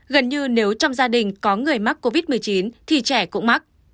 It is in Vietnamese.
gần như nếu trong gia đình có người mắc covid một mươi chín thì trẻ cũng mắc